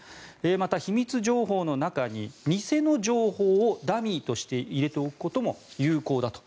また、秘密情報の中に偽の情報をダミーとして入れておくことも有効だと。